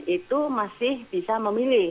itu masih bisa memilih